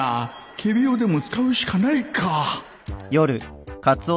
仮病でも使うしかないか